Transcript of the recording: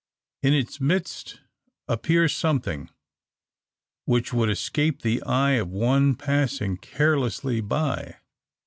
In its midst appears something, which would escape the eye of one passing carelessly by.